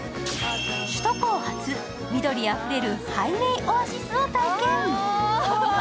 首都高初、緑あふれるハイウェイオアシスを体験。